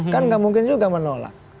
kan nggak mungkin juga menolak